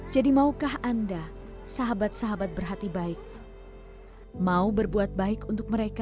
jadi maukah anda sahabat sahabat berhati baik mau berbuat baik untuk mereka